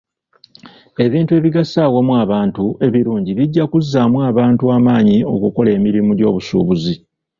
Ebintu ebigasiza awamu abantu ebirungi bijja kuzzaamu abantu amaanyi okukola emirimu gy'obusuubuzi.